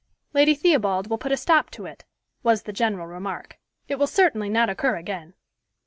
"Lady Theobald will put a stop to it," was the general remark. "It will certainly not occur again."